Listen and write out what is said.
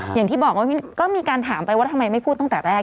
อย่างที่บอกว่าก็มีการถามไปว่าทำไมไม่พูดตั้งแต่แรก